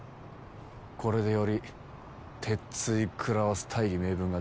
これでより鉄槌食らわす大義名分ができたよ。